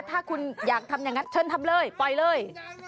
ถ้าคุณอยากทำอย่างนั้นเชิญทำเลยปล่อยเลย